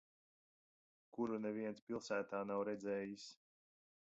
Kuru neviens pilsētā nav redzējis.